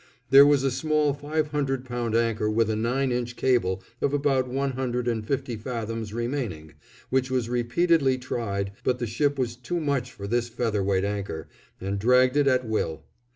There was a small five hundred pound anchor with a nine inch cable of about one hundred and fifty fathoms remaining, which was repeatedly tried, but the ship was too much for this feather weight anchor, and dragged it at will.